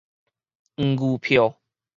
黃牛票